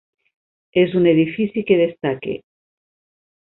És un edifici que destaca.